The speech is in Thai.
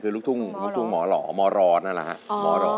หมายว่าอะไรลังอมแหงคือลูกทุ่งหมอหลอหมอรอนะหรอฮะหมอรออ๋อ